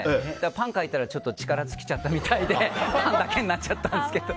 パン描いたらちょっと力尽きちゃったみたいでパンだけになっちゃったんですけど。